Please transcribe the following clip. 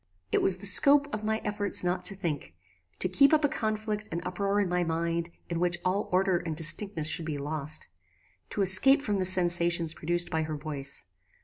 "It was the scope of my efforts not to think; to keep up a conflict and uproar in my mind in which all order and distinctness should be lost; to escape from the sensations produced by her voice.